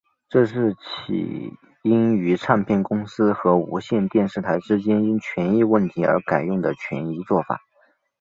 这是起因于唱片公司和无线电视台之间因权益问题而改用的权宜作法。